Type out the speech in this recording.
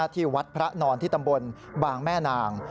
ที่วัดพระนอนที่ตำบลบางแม่นาง